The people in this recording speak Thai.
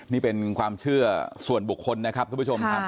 นี่เป็นความเชื่อส่วนบุคคลนะครับทุกผู้ชมครับ